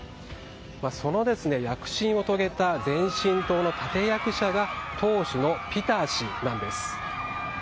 その躍進を遂げた前進党の立役者が党首のピター氏なんです。